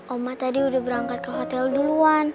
oma tadi udah berangkat ke hotel duluan